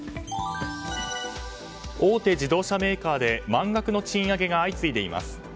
大手自動車メーカーで満額の賃上げが相次いでいます。